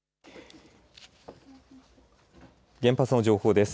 原発の情報です。